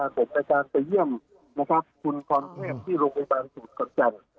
ในการไปเยี่ยมคุณตอนเทศที่โรงพยาบาลศูนย์กรรจันทร์